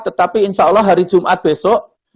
tetapi insya allah hari jumat besok